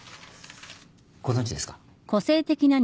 ご存じですか？